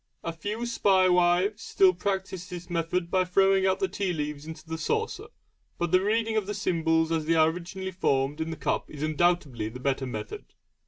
A few spae wives still practise this method by throwing out the tea leaves into the saucer, but the reading of the symbols as they are originally formed in the cup is undoubtedly the better method.